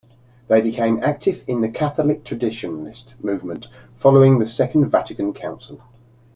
They became active in the Catholic Traditionalist Movement following the Second Vatican Council.